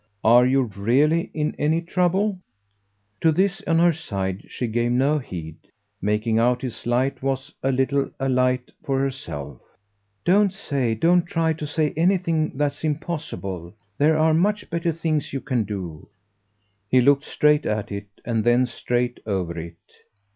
"Are you REALLY in any trouble?" To this, on her side, she gave no heed. Making out his light was a little a light for herself. "Don't say, don't try to say, anything that's impossible. There are much better things you can do." He looked straight at it and then straight over it.